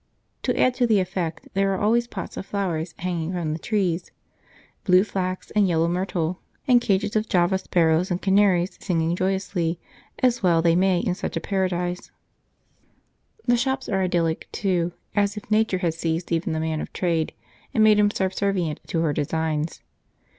To add to the effect, there are always pots of flowers hanging from the trees, blue flax and yellow myrtle; and cages of Java sparrows and canaries singing joyously, as well they may in such a paradise. {The houses are set about the Green: p5.jpg} The shops are idyllic, too, as if Nature had seized even the man of trade and made him subservient to her designs.